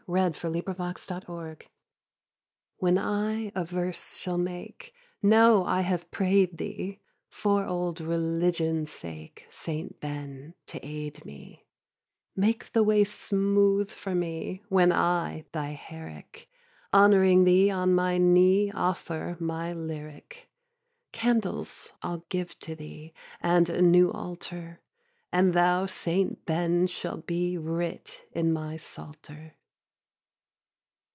10. HIS PRAYER TO BEN JONSON When I a verse shall make, Know I have pray'd thee, For old religion's sake, Saint Ben, to aid me Make the way smooth for me, When, I, thy Herrick, Honouring thee on my knee Offer my Lyric. Candles I'll give to thee, And a new altar; And thou, Saint Ben, shalt be Writ in my psalter.